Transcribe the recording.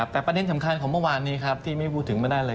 แต่ประเด็นสำคัญของเมื่อวานนี้ครับที่ไม่พูดถึงไม่ได้เลย